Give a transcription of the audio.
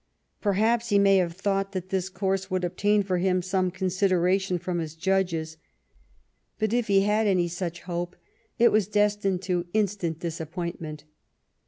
Perhaps he may have thought that this course would obtain for him some consideration from his judges, but if he had any such hope it was destined to instant disappointment.